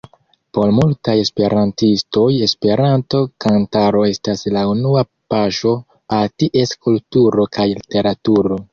Por multaj esperantistoj Esperanto-kantaro estas la unua paŝo al ties kulturo kaj literaturo.